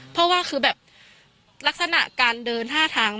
เพราะว่าคือแบบลักษณะการเดินท่าทาง